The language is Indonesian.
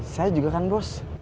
saya juga kan bos